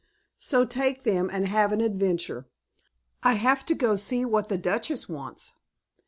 So take them and have an adventure. I have to go see what the Duchess wants."